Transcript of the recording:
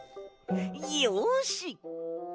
よし！